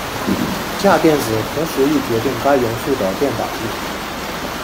价电子同时亦决定该元素的电导率。